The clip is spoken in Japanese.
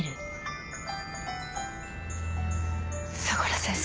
相良先生。